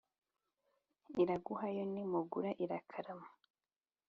Iraguha yo ntimugura irakarama